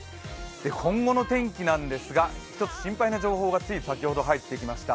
今後の天気なんですが心配な情報がつい先ほど入ってきました。